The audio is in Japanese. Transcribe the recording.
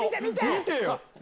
見てよ！